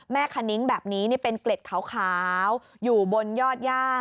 คณิ้งแบบนี้เป็นเกล็ดขาวอยู่บนยอดย่า